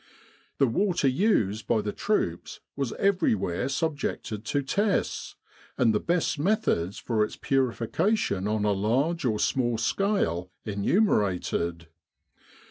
The water used by the troops was everywhere subjected to tests, and the best methods for its purification on a large or small scale enumerated.